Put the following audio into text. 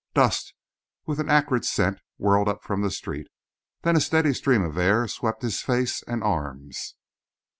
Dust with an acrid scent whirled up from the street then a steady stream of air swept his face and arms.